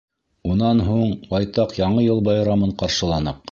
Унан һуң байтаҡ Яңы йыл байрамын ҡаршыланыҡ.